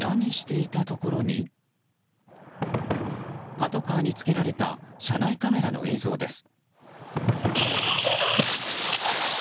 パトカーにつけられた車内カメラの映像です。